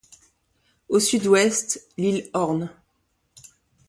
Au sud-ouest, l'île Horn.